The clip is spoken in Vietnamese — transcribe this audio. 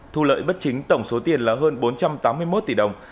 thu lợi bất chính tổng số tiền là hơn bốn trăm tám mươi một tỷ đồng